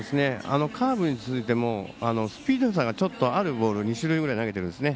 カーブに続いてスピード差がちょっとあるボール２種類ぐらい投げているんですね。